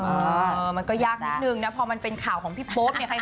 มันก็ยากนิดนึงนะพอมันเป็นข่าวของพี่โป๊ปเนี่ย